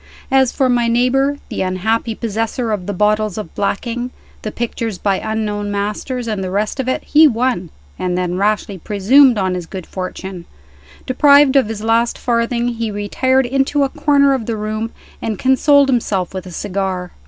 As for my neighbor, the unhappy possessor of the bottles of blacking, the pictures by unknown masters, and the rest of it, he won, and then rashly presumed on his good fortune. Deprived of his last farthing, he retired into a corner of the room, and consoled himself with a cigar.